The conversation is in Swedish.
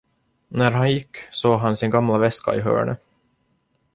När han gick såg han sin gamla väska i hörnet.